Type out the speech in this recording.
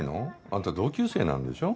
あんた同級生なんでしょ？